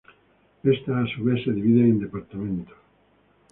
Estas, a su vez, se dividen en departamentos.